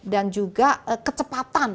dan juga kecepatan